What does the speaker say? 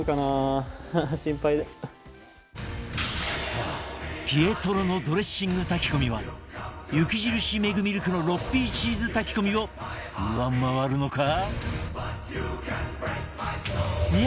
さあピエトロのドレッシング炊き込みは雪印メグミルクの ６Ｐ チーズ炊き込みを上回るのか？